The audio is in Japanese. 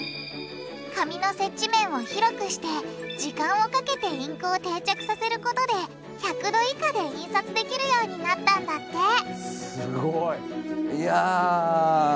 紙の接地面を広くして時間をかけてインクを定着させることで１００℃以下で印刷できるようになったんだって！